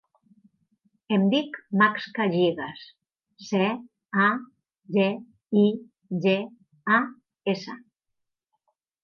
Em dic Max Cagigas: ce, a, ge, i, ge, a, essa.